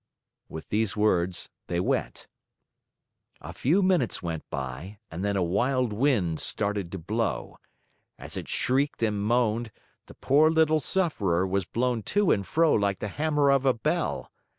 With these words they went. A few minutes went by and then a wild wind started to blow. As it shrieked and moaned, the poor little sufferer was blown to and fro like the hammer of a bell.